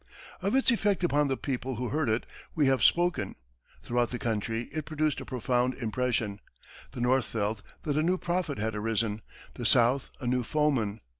Of its effect upon the people who heard it we have spoken; throughout the country it produced a profound impression. The North felt that a new prophet had arisen; the South, a new foeman.